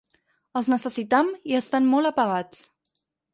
Els necessitam i estan molt apagats.